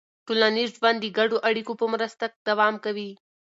ټولنیز ژوند د ګډو اړیکو په مرسته دوام کوي.